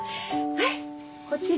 はいこちら